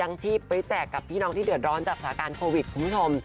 ยังชีพไปแจกกับพี่น้องที่เดือดร้อนจากสถานการณ์โควิดคุณผู้ชม